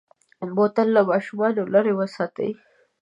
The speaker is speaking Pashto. بوتل له ماشومو لرې وساتئ.